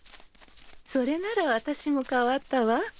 それなら私も変わったわ。